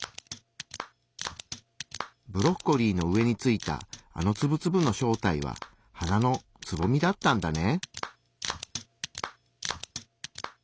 ブロッコリーの上についたあのツブツブの正体は花のつぼみだったんだね。